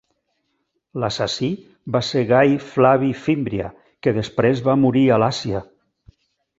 L’assassí va ser Gai Flavi Fímbria, que després va morir a l'Àsia.